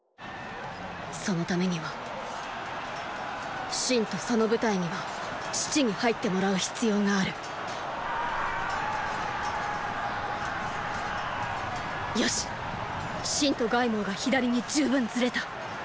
そのためには信とその部隊には“死地”に入ってもらう必要があるよし信と凱孟が左に十分ずれた！